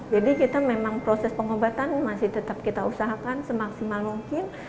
jadi kita memang proses pengobatan masih tetap kita usahakan semaksimal mungkin